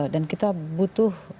dan kita butuh